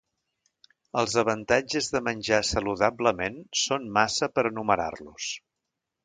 Els avantatges de menjar saludablement són massa per enumerar-los.